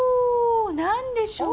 何でしょう？